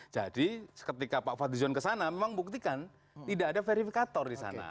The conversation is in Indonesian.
jadi ketika pak fadlijuan ke sana memang buktikan tidak ada verifikator di sana